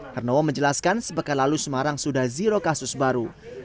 hernowo menjelaskan sepekan lalu semarang sudah zero kasus baru